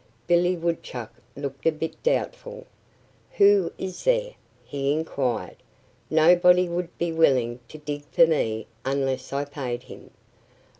Billy Woodchuck looked a bit doubtful. "Who is there?" he inquired. "Nobody would be willing to dig for me unless I paid him."